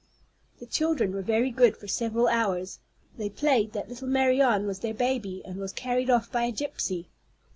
The children were very good for several hours. They played that little Marianne was their baby, and was carried off by a gypsy.